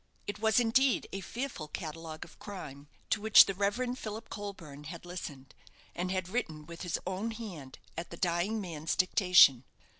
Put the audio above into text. It was indeed a fearful catalogue of crime to which the Rev. Philip Colburne had listened, and had written with his own hand at the dying man's dictation.